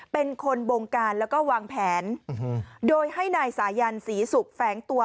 เป็นคนบงการแล้วก็วางแผนโดยให้นายสายันศรีศุกร์แฝงตัว